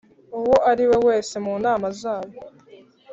uwo ariwe wese mu nama zayo